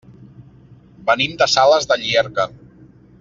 Venim de Sales de Llierca.